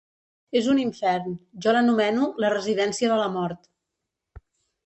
És un infern, jo l’anomeno “la residència de la mort”.